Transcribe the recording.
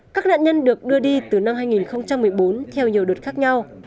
các nạn nhân được đưa đi từ năm hai nghìn một mươi bốn theo nhiều đợt khác nhau